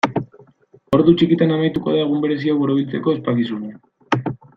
Ordu txikitan amaituko da egun berezi hau borobiltzeko ospakizuna.